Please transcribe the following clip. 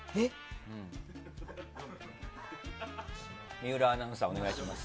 水卜アナウンサーお願いします。